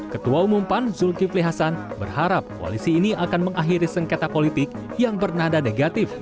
ketua umum pan zulkifli hasan berharap koalisi ini akan mengakhiri sengketa politik yang bernada negatif